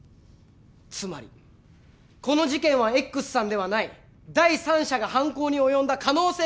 つまりこの事件はＸさんではない第三者が犯行に及んだ可能性があるということです。